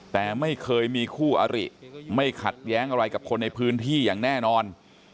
แต่ไม่เคยมีคู่อริไม่ขัดแย้งอะไรกับคนในพื้นที่อย่างแน่นอน